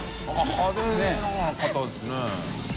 派手な方ですね。